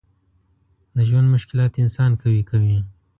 د ژوند مشکلات انسان قوي کوي.